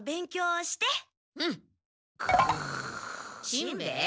しんべヱ？